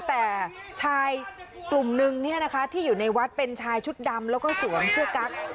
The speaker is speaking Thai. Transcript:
แต่ชายกลุ่มนึงที่อยู่ในวัดเป็นชายชุดดำแล้วก็สวมเสื้อกั๊ก